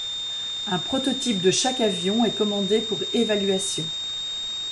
Un prototype de chaque avion est commandé pour évaluation.